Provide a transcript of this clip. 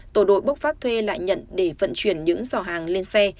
tổ đội bốc vác thuê lại nhận để vận chuyển những giỏ hàng lên xe